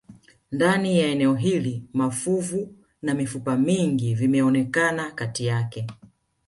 Ndani ya eneo hili mafuvu na mifupa mingi vimeonekana kati yake